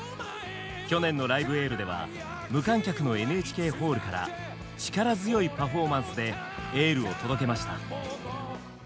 去年の「ライブ・エール」では無観客のＮＨＫホールから力強いパフォーマンスでエールを届けました。